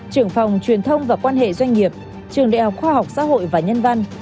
trưởng phòng truyền thông và quan hệ doanh nghiệp trường đại học khoa học xã hội và nhân văn